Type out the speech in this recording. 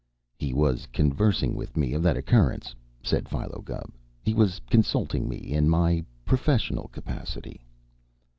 "He was conversing with me of that occurrence," said Philo Gubb. "He was consulting me in my professional capacity."